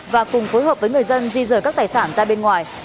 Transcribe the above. và cùng phối hợp với người dân di rời các tài sản ra bên ngoài